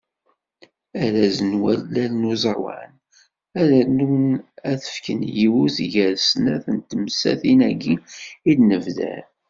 Arraz n wallal n uẓawan, ad rnun ad t-fken i yiwet gar snat n tewsatin-agi i d-nebder.